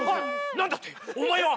何だって⁉お前は！